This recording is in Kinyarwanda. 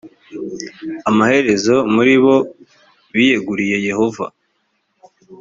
amaherezo muri bo biyeguriye yehova